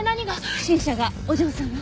不審者がお嬢さんを。